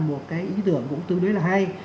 một cái ý tưởng cũng tương đối là hay